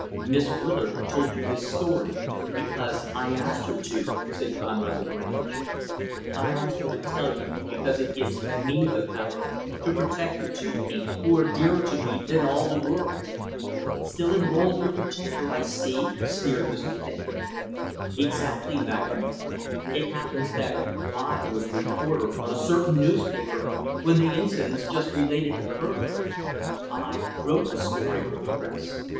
"Miss Willard told you this story because I asked her to," said Conrad Lagrange. "I asked her to tell you because it gives me the power to protect the two people who are dearer to me than all the world." "Still in your role of protector, I see," sneered Mrs. Taine. "Exactly, madam. It happens that I was a reporter on a certain newspaper when the incidents just related occurred. I wrote the story for the press.